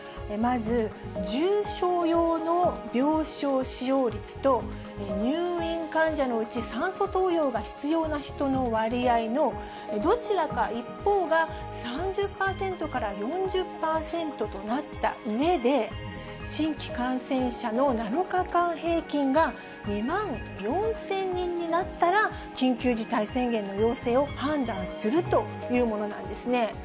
まず、重症用の病床使用率と、入院患者のうち酸素投与が必要な人の割合の、どちらか一方が３０％から４０％となったうえで、新規感染者の７日間平均が２万４０００人になったら、緊急事態宣言の要請を判断するというものなんですね。